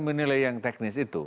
menilai yang teknis itu